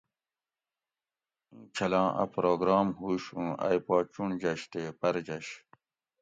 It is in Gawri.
اِیں چھلاں اۤ پروگرام ہُوش اُوں ائ پا چُنڑجش تے پرجش